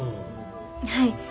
はい。